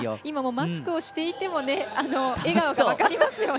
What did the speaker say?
マスクをしていても笑顔が分かりますよね。